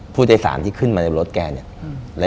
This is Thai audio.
ผู้ใจสารที่ขึ้นมาในรถแก